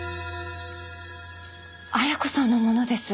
亜矢子さんのものです。